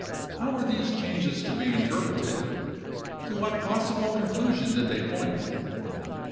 How were these changes to be interpreted? To what possible conclusion did they point?